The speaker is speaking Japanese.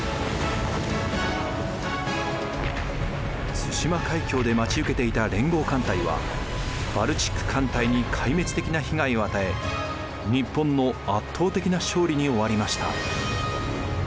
対馬海峡で待ち受けていた連合艦隊はバルチック艦隊に壊滅的な被害を与え日本の圧倒的な勝利に終わりました。